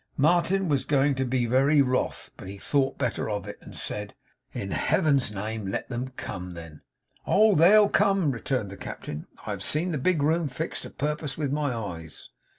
Martin was going to be very wroth, but he thought better of it, and said: 'In Heaven's name let them come, then.' 'Oh, THEY'll come,' returned the Captain. 'I have seen the big room fixed a'purpose, with my eyes.